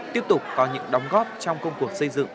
tiếp tục có những đóng góp trong công cuộc xây dựng